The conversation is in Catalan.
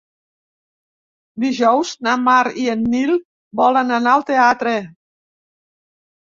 Dijous na Mar i en Nil volen anar al teatre.